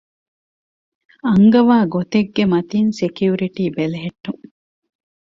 އަންގަވާގޮތެއްގެމަތީން ސެކިއުރިޓީ ބެލެހެއްޓުން